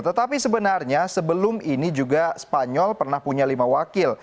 tetapi sebenarnya sebelum ini juga spanyol pernah punya lima wakil